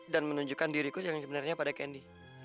dan menunjukkan diriku yang sebenarnya pada candy